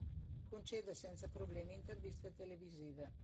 Concede senza problemi interviste televisive.